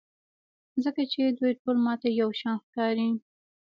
ځکه چې دوی ټول ماته یوشان ښکاري.